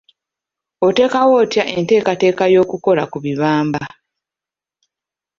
Otondawo otya enteekateeka y'okukola ku bibamba?